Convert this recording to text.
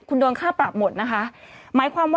คุณโดนค่าปรับหมดนะคะ